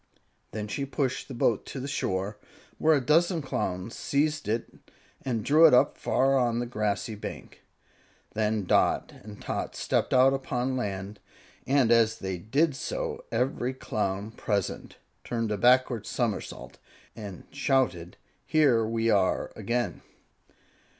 Then she pushed the boat to the shore, where a dozen Clowns seized it and drew it far up on the grassy bank. Then Dot and Tot stepped out upon land, and as they did so every Clown present turned a backward somersault and shouted, "Here we are again!"